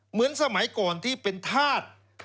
เหมือนสมัยก่อนที่เป็นธาตุ